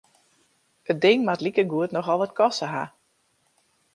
It ding moat likegoed nochal wat koste ha.